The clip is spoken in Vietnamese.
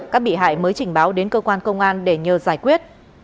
các bị hại mới trình báo đến cơ quan công an để nhờ giải quyết